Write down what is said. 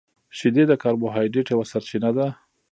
• شیدې د کاربوهایډریټ یوه سرچینه ده.